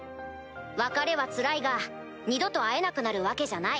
別れはつらいが二度と会えなくなるわけじゃない。